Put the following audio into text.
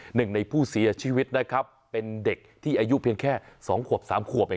หนึ่งในผู้เสียชีวิตนะครับเป็นเด็กที่อายุเพียงแค่๒ขวบ๓ขวบเอง